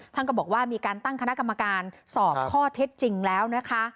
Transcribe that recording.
ท่านก็บอกว่ามีการตั้งคณะกรรมการสอบข้อเท็จจริงแล้วนะคะ